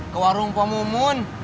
ke warung pemumun